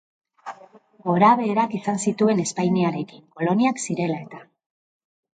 Gorabeherak izan zituen Espainiarekin, koloniak zirela eta.